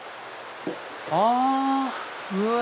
あ！うわ！